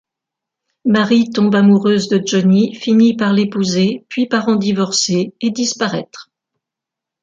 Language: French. Mary tombe amoureuse de Johnny, finit par l'épouser, puis par en divorcer et disparaître.